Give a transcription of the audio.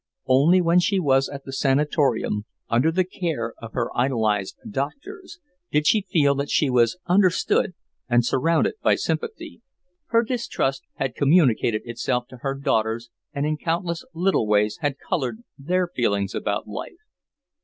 Only when she was at the sanatorium, under the care of her idolized doctors, did she feel that she was understood and surrounded by sympathy. Her distrust had communicated itself to her daughters and in countless little ways had coloured their feelings about life.